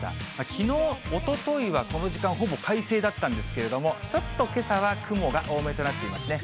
きのう、おとといはこの時間、ほぼ快晴だったんですけれども、ちょっとけさは雲が多めとなっていますね。